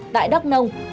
tại đắk nông